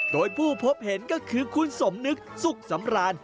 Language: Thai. โดยผู้พบเห็นก็คือคุณสมนึกสุขสำราน